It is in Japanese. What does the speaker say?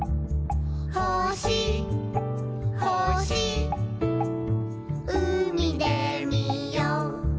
「ほしほしうみでみよう」